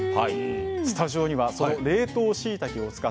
スタジオにはその冷凍しいたけを使ったお料理